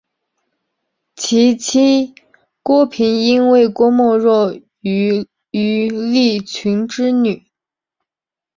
其妻郭平英为郭沫若与于立群之女。